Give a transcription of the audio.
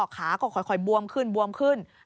ขาก็ค่อยบวมขึ้นบวมขึ้น